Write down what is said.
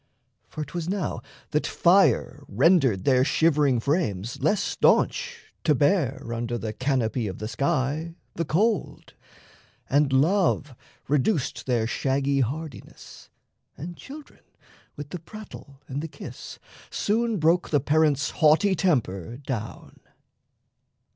For 'twas now that fire Rendered their shivering frames less staunch to bear, Under the canopy of the sky, the cold; And Love reduced their shaggy hardiness; And children, with the prattle and the kiss, Soon broke the parents' haughty temper down.